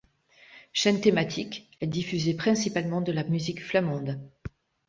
Chaîne thématique, elle diffusait principalement de la musique flamande.